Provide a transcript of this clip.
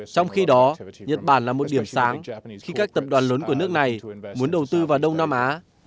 trong khi đó nhật bản là một điểm sáng khi các tập đoàn lớn của nước này muốn đầu tư vào đông nam á